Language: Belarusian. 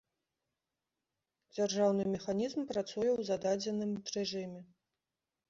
Дзяржаўны механізм працуе ў зададзеным рэжыме.